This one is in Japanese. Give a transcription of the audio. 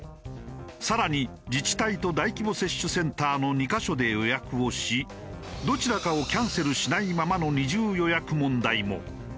更に自治体と大規模接種センターの２カ所で予約をしどちらかをキャンセルしないままの二重予約問題も。